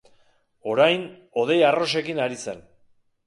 Orain hodei arrosekin ari zen.